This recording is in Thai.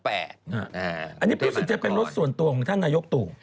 อันนี้เป็นรถส่วนตัวของท่านนายกตู่